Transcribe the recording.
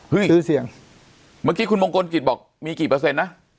ชื่อเสียงเมื่อกี้คุณมงคลกิจบอกมีกี่เปอร์เซ็นต์นะ